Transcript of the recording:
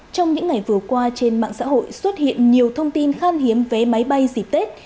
trong những ngày vừa qua trên mạng xã hội xuất hiện nhiều thông tin khan hiếm vé máy bay dịp tết